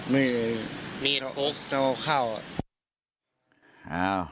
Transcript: มิด